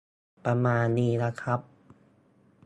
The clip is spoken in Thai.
ประมาณนี้นะครับ